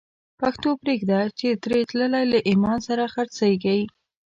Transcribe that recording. پښتو پریږده چی تری تللی، له ایمان سره خرڅیږی